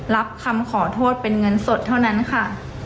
รับคำขอโทษเป็นเงินสดเท่านั้นค่ะ